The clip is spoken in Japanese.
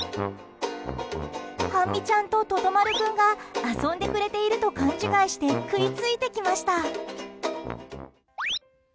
はんみちゃんと、ととまる君が遊んでくれていると勘違いして食いついてきました。